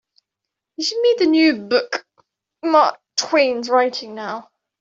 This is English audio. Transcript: You should read the new book Mark Twain's writing now.